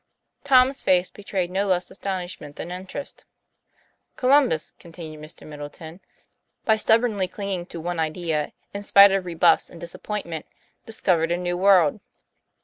Tom's face betrayed no less astonishment than interest. 'Columbus," continued Mr. Middleton, "by stub bornly clinging to one idea in spite of rebuffs and disappointment, discovered a new world.